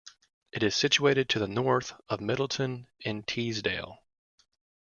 It is situated to the north of Middleton-in-Teesdale.